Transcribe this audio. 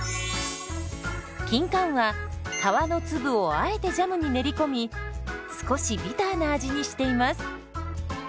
キンカンは皮の粒をあえてジャムに練り込み少しビターな味にしています。